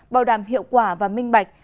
bảo đảm hiệu quả và minh bạch